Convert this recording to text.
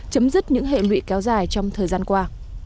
chấm dứt những hệ lụy kéo dài trong thời gian qua